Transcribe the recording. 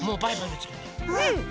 うん。